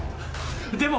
でも。